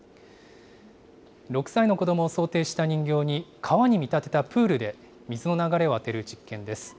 ６歳の子どもを想定した人形に、川に見立てたプールで水の流れを当てる実験です。